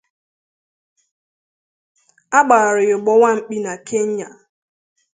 A gbaara ya ụgbọ nwa mkpị na Kenya